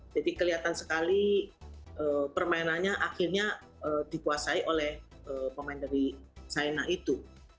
jadi kelihatan sekali permainannya akhirnya dikuasai oleh pemain dari saina itu